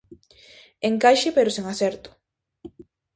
Encaixe pero sen acerto.